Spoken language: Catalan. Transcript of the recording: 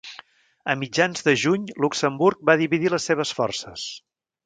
A mitjans de juny, Luxemburg va dividir les seves forces.